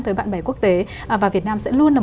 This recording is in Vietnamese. tới bạn bè quốc tế và việt nam sẽ luôn là